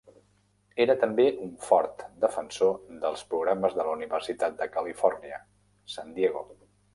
Era també un fort defensor dels programes de la Universitat de Califòrnia, San Diego.